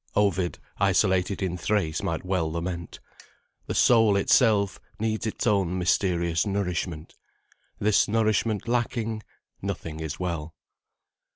Ovid isolated in Thrace might well lament. The soul itself needs its own mysterious nourishment. This nourishment lacking, nothing is well.